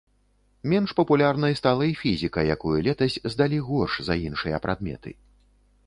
Менш папулярнай стала і фізіка, якую летась здалі горш за іншыя прадметы.